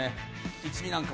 一味なんかも。